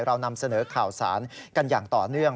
เรานำเสนอข่าวสารกันอย่างต่อเนื่อง